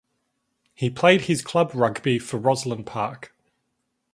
He played his club rugby for Rosslyn Park.